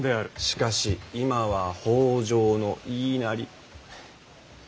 しかし今は北条の言いなり。